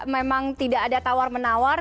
memang tidak ada tawar menawar